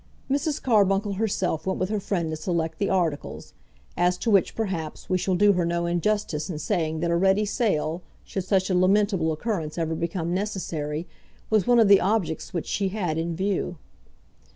Mrs. Carbuncle herself went with her friend to select the articles, as to which, perhaps, we shall do her no injustice in saying that a ready sale, should such a lamentable occurrence ever become necessary, was one of the objects which she had in view.